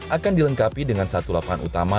akan dilengkapi dengan satu lapangan utama